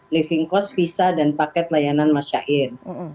living cost visa dan paket layanan masyair